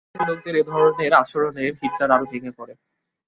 কাছের লোকদের এধরনের আচরণে হিটলার আরও ভেঙ্গে পরেন।